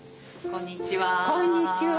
こんにちは。